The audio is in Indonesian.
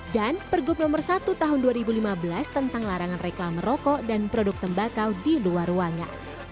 dan pergub nomor satu tahun dua ribu lima belas tentang larangan reklam rokok dan produk tembakau di luar ruangnya